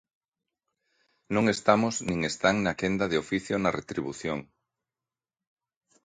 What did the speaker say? Non estamos nin están na quenda de oficio na retribución.